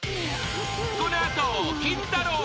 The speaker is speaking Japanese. ［この後キンタロー。